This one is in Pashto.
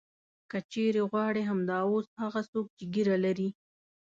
که چېرې غواړې همدا اوس هغه څوک چې ږیره لري.